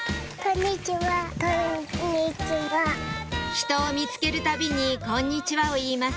人を見つけるたびに「こんにちは」を言います